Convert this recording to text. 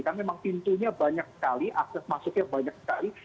karena memang pintunya banyak sekali akses masuknya banyak sekali